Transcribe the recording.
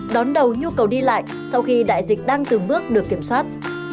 đón đầu nhu cầu đi lại sau khi đại dịch đang từng bước được kiểm soát